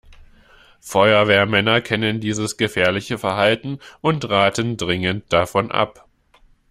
Feuerwehrmänner kennen dieses gefährliche Verhalten und raten dringend davon ab.